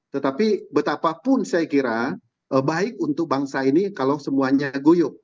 tetapi betapapun saya kira baik untuk bangsa ini kalau semuanya guyup